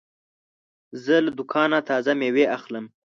زه له دوکانه تازه مېوې اخلم.